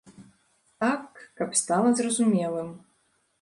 Так, каб стала зразумелым.